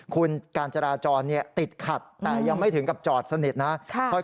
คุณการจราจรติดขัดแต่ยังไม่ถึงกับจอดสนิทนะ